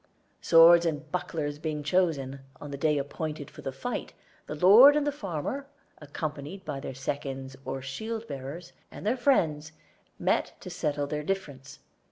Swords and bucklers being chosen, on the day appointed for the fight the lord and the farmer, accompanied by their seconds, or shield bearers, and their friends, met to settle their difference.